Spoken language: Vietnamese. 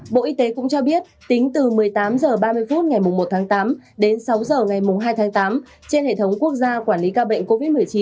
bộ y tế cũng cho biết tính từ một mươi tám h ba mươi phút ngày một tháng tám đến sáu h ngày hai tháng tám trên hệ thống quốc gia quản lý ca bệnh covid một mươi chín